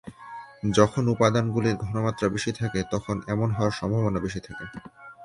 যখন উপাদান গুলির ঘনমাত্রা বেশি থাকে তখন এমন হওয়ার সম্ভবনা বেশি থাকে।